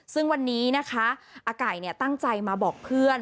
ซึ่งวันนี้นะคะอาไก่ตั้งใจมาบอกเพื่อน